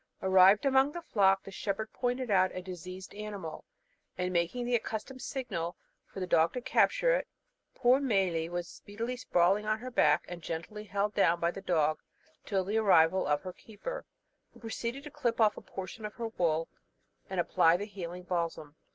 Arrived among the flock, the shepherd pointed out a diseased animal; and making the accustomed signal for the dog to capture it, "poor Mailie" was speedily sprawling on her back, and gently held down by the dog till the arrival of her keeper, who proceeded to clip off a portion of her wool, and apply the healing balsam.